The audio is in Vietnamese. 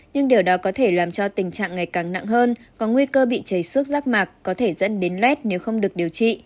nhưng điều đó có thể làm cho tình trạng ngày càng nặng hơn có nguy cơ bị chảy xước rác mạc có thể dẫn đến lét nếu không được điều trị